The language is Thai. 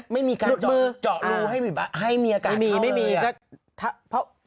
ไม่มีการเจาะรูให้มีอากาศเข้าเลย